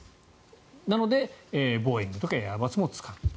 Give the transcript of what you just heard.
なのでボーイングとかエアバスも使っている。